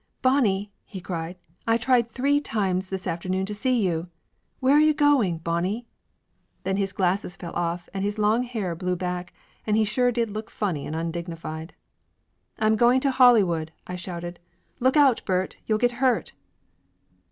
"Bonnie !" he cried. "I tried three times this after noon to see you ! Where are you going, Bonnie ?" Then his glasses fell off and his long hair blew back and he sure did look funny and undignified. "I'm going to Hollywood !" I shouted. "Look out, Bert, you'll get hurt!"